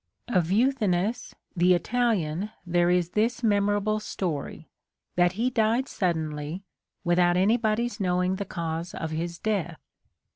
Of Euthynous the Italian there is this memo rable story, that he died suddenly, Avithout anybody's knowing the cause of his death.